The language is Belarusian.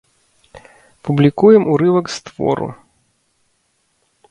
Публікуем урывак з твору.